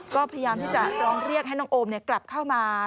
ก็พยายามที่จะร้องเรียกให้น้องโอมกลับเข้ามา